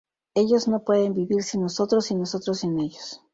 Ellos no pueden vivir sin nosotros y nosotros sin ellos.